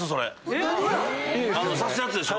あの刺すやつでしょ。